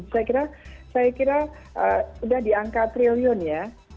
saya kira sudah di angka triliun ya